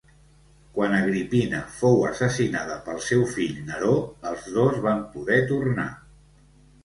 Quan Agripina fou assassinada pel seu fill Neró, els dos van poder tornar.